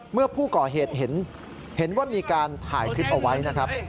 เมื่อผู้ก่อเหตุเห็นว่ามีการถ่ายคลิปเอาไว้นะครับ